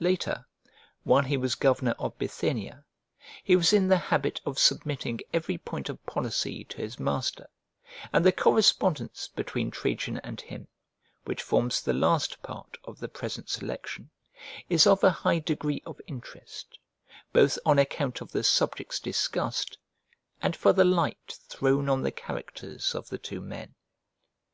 Later while he was governor of Bithynia, he was in the habit of submitting every point of policy to his master, and the correspondence between Trajan and him, which forms the last part of the present selection, is of a high degree of interest, both on account of the subjects discussed and for the light thrown on the characters of the two men.